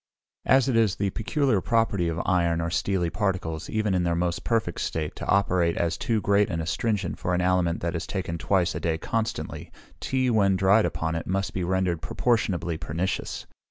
As it is the peculiar property of iron or steely particles, even in their most perfect state, to operate as too great an astringent for an aliment that is taken twice a day constantly, tea, when dried upon it, must be rendered proportionably pernicious.